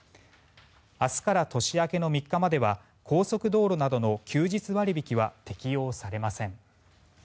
明日から年明けの３日までは高速道路などの休日割引は適用されません。